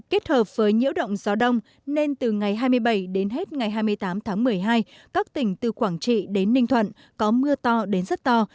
kết hợp với nhiễu động gió đông nên từ ngày hai mươi bảy đến hết ngày hai mươi tám tháng một mươi hai các tỉnh từ quảng trị đến ninh thuận có mưa to đến rất to